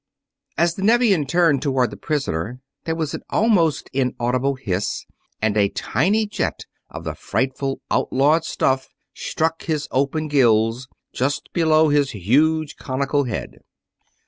As the Nevian turned toward the prisoner there was an almost inaudible hiss and a tiny jet of the frightful, outlawed stuff struck his open gills, just below his huge, conical head.